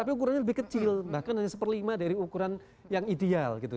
tapi ukurannya lebih kecil bahkan hanya satu per lima dari ukuran yang ideal gitu